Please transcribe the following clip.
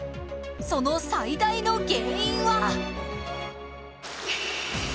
その最大の原因は